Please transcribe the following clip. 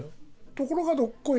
ところがどっこい。